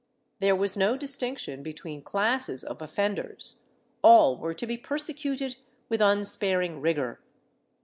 There was no distinction between classes of offenders ; all were to be persecuted with unsparing rigor.